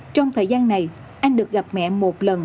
trong thời gian này anh được gặp mẹ một lần